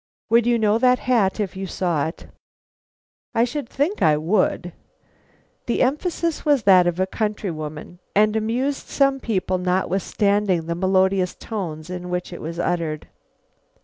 "Would you know that hat if you saw it?" "I should think I would!" The emphasis was that of a countrywoman, and amused some people notwithstanding the melodious tone in which it was uttered.